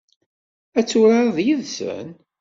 Ad turareḍ yid-sen?